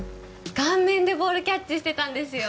顔面でボールキャッチしてたんですよ